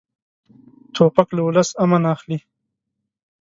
توپک له ولس امن اخلي.